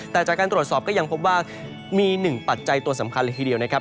แต่จากการตรวจสอบก็ยังพบว่ามีหนึ่งปัจจัยตัวสำคัญเลยทีเดียวนะครับ